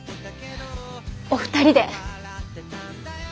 お二人で。